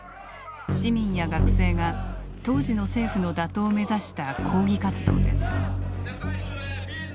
市民や学生が当時の政府の打倒を目指した抗議活動です。